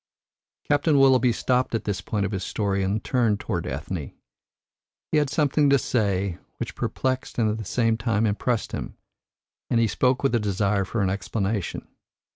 Captain Willoughby stopped at this point of his story and turned towards Ethne. He had something to say which perplexed and at the same time impressed him, and he spoke with a desire for an explanation.